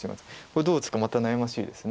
これどう打つかまた悩ましいです。